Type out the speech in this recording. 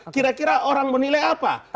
kira kira orang menilai apa